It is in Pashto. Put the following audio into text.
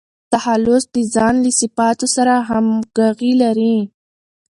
تخلص د ځان له صفاتو سره همږغي وټاکئ.